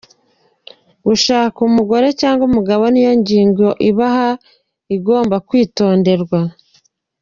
Gushaka umugore cyangwa umugabo niyo ngingo ibaho igomba kwitonderwa.